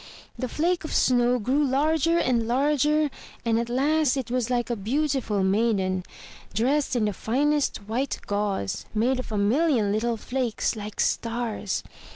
The flake of snow grew larger and larger and at last it was like a beautiful maiden, dressed in the finest white gauze, made of a million little flakes, like stars.